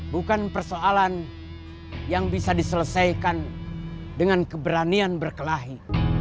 bukan persoalan yang bisa diselesaikan dengan keberanian berkelahi